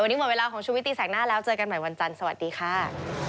วันนี้หมดเวลาของชุวิตตีแสกหน้าแล้วเจอกันใหม่วันจันทร์สวัสดีค่ะ